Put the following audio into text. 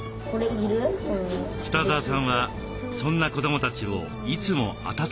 北澤さんはそんな子どもたちをいつも温かく見守っています。